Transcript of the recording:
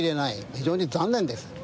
非常に残念です。